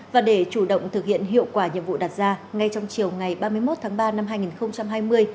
và để chủ động thực hiện hiệu quả nhiệm vụ đặt ra ngay trong chiều ngày ba mươi một tháng ba năm hai nghìn hai mươi